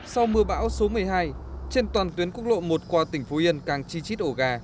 sau mưa bão số một mươi hai trên toàn tuyến quốc lộ một qua tỉnh phú yên càng chi chít ổ gà